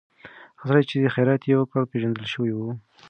هغه سړی چې خیرات یې وکړ، پېژندل شوی و.